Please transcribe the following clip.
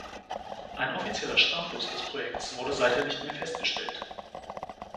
Ein offizieller Status des Projekts wurde seither nicht mehr festgestellt.